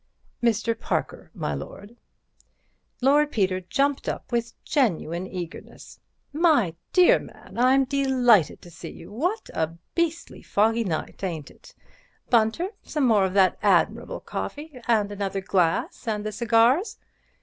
"Mr. Parker, my lord." Lord Peter jumped up with genuine eagerness. "My dear man, I'm delighted to see you. What a beastly foggy night, ain't it? Bunter, some more of that admirable coffee and another glass and the cigars.